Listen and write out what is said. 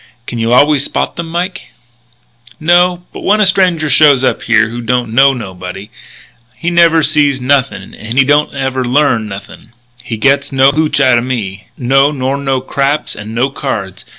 "Can you always spot them, Mike?" "No. But when a stranger shows up here who don't know nobody, he never sees nothing and he don't never learn nothing. He gets no hootch outa me. No, nor no craps and no cards.